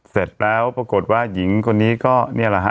เสร็จแล้วปรากฏว่าหญิงคนนี้ก็นี่แหละฮะ